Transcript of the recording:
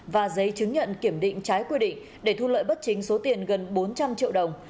và giấy chứng nhận kiểm định trái quy định để thu lợi bất chính số tiền gần bốn trăm linh triệu đồng